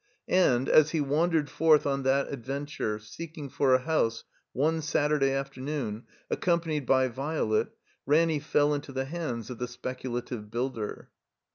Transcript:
And, as he wandered forth on that adventure, seeking for a house, one Saturday afternoon, ac companied by Violet, Ranny fell into the hands of the Speculative Builder.